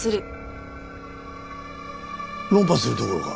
論破するどころか。